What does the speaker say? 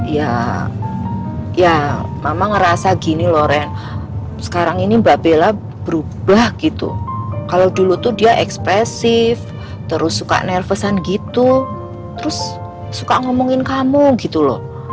ya ya mama ngerasa gini loh ren sekarang ini mbak bella berubah gitu kalau dulu tuh dia ekspresif terus suka nervesan gitu terus suka ngomongin kamu gitu loh